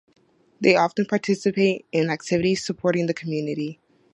They often participate in activities supporting the community.